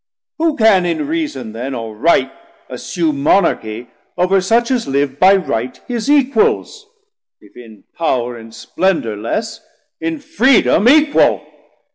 790 Who can in reason then or right assume Monarchie over such as live by right His equals, if in power and splendor less, In freedome equal?